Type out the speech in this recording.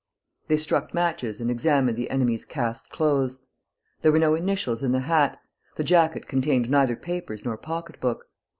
They struck matches and examined the enemy's cast clothes. There were no initials in the hat. The jacket contained neither papers nor pocketbook.